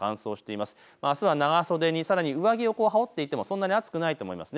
あすは長袖にさらに上着を羽織っていてもそんなに暑くないと思います。